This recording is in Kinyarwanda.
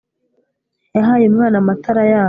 yahaye umwana amata arayanga